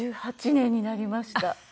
１８年になりました。